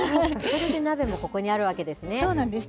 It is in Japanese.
それで鍋もここにあるわけでそうなんです。